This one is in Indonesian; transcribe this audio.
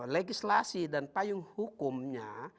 legislasi dan payung hukumnya